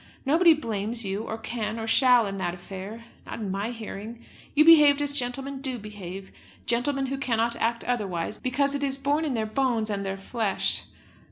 Nobody blames you, or can, or shall, in that affair, not in my hearing. You behaved as gentlemen do behave; gentlemen who cannot act otherwise, because it is born in their bones and their flesh.